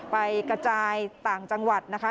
ไปกระจายต่างจังหวัดนะคะ